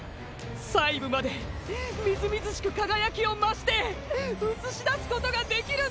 細部までみずみずしく輝きを増して映し出すことができるんだ！！